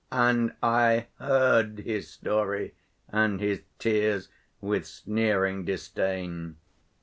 And I heard his story and his tears with sneering disdain.